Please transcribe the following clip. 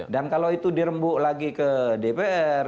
dan kalau itu dirembuk lagi ke dpr